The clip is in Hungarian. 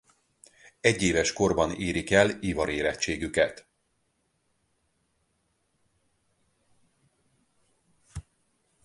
Egyéves korban érik el ivarérettségüket.